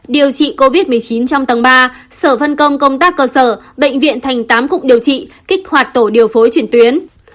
điều trị covid một mươi chín trong tầng ba sở phân công công tác cơ sở bệnh viện thành tám cục điều trị kích hoạt tổ điều phối chuyển tuyến